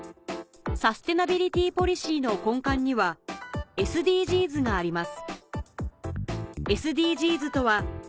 サステナビリティポリシーの根幹にはＳＤＧｓがあります